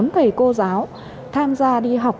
bốn thầy cô giáo tham gia đi học